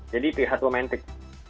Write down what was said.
jadi terlihat romantic